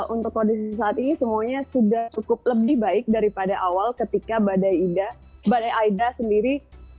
untuk kondisi saat ini semuanya sudah cukup lebih baik daripada awal ketika badai aida sendiri